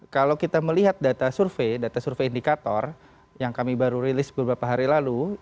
kalau kita melihat data survei data survei indikator yang kami baru rilis beberapa hari lalu